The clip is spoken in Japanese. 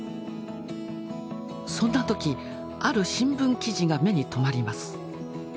そんな時ある新聞記事が目にとまります。